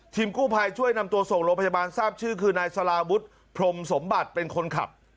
กู้ภัยช่วยนำตัวส่งโรงพยาบาลทราบชื่อคือนายสาราวุฒิพรมสมบัติเป็นคนขับ